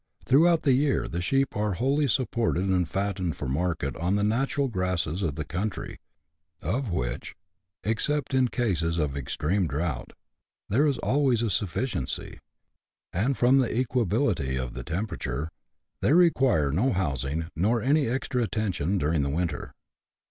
Throughout the year the sheep are wholly supported and fattened for market on the natural grasses of the country, of which, except in cases of extreme drought, there is always a sufficiency ; and, from the equability of the temperature, they require no housing nor any extra attention during the winter.